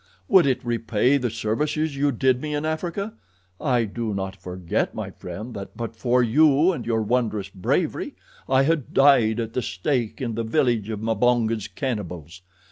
Would it repay the services you did me in Africa? I do not forget, my friend, that but for you and your wondrous bravery I had died at the stake in the village of Mbonga's cannibals.